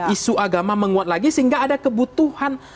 isu agama menguat lagi sehingga ada kebutuhan